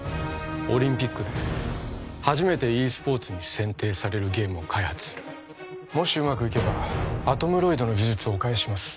オリンピックで初めてｅスポーツに選定されるゲームを開発するもしうまくいけばアトムロイドの技術をお返しします